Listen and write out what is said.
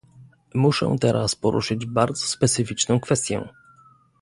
Muszę teraz poruszyć bardzo specyficzną kwestię